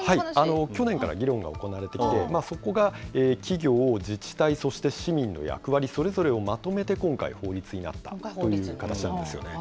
去年から議論が行われていて、そこが企業、自治体、そして市民の役割、それぞれまとめて、今回法律になったという形なんですよね。